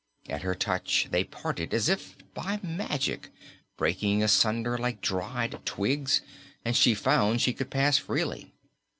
At her touch they parted as if by magic, breaking asunder like dried twigs, and she found she could pass freely.